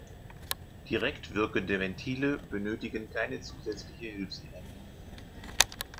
Direkt wirkende Ventile benötigen keine zusätzliche Hilfsenergie.